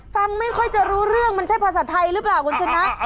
ฟังไม่ค่อยจะรู้เรื่องมันใช่ภาษาไทยหรือเปล่าคุณชนะ